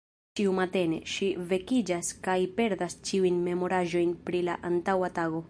Ĉiu matene ŝi vekiĝas kaj perdas ĉiujn memoraĵojn pri la antaŭa tago.